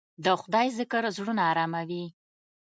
د خدای ذکر زړونه اراموي.